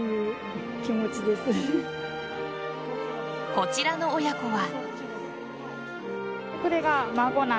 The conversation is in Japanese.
こちらの親子は。